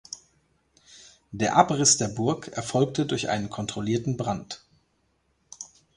Der Abriss der Burg erfolgte durch einen kontrollierten Brand.